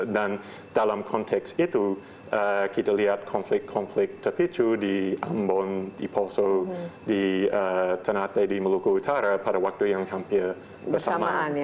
dan dalam konteks itu kita lihat konflik konflik terpicu di ambon di poso di tanah teh di meluku utara pada waktu yang hampir bersamaan